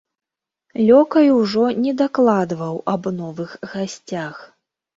Лёкай ужо не дакладваў аб новых гасцях.